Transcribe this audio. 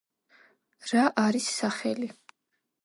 რა არის სახელი